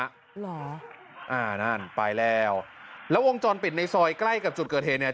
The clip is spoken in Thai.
เหรออ่านั่นไปแล้วแล้ววงจรปิดในซอยใกล้กับจุดเกิดเหตุเนี่ย